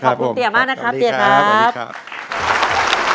ครับผมขอบคุณเตี๋ยมากนะครับเตี๋ยครับสวัสดีครับสวัสดีครับ